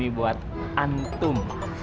ini buat antum